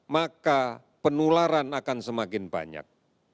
maka penularan akan semakin banyak